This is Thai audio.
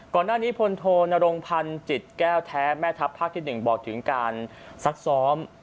ก่อนหน้านี้พลโทนรงพันธ์จิตแก้วแท้แม่ทัพภาคที่๑บอกถึงการซักซ้อม